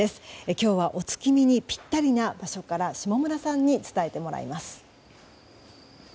今日はお月見にぴったりな場所から下村さんに伝えてもらいます。